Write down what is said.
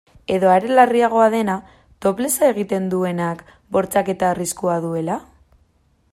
Edo are larriagoa dena, toplessa egiten duenak bortxaketa arriskua duela?